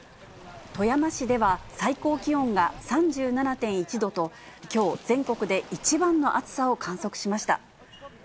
富山市では、最高気温が３７．１度と、きょう、全国で一番の暑さを観測しました。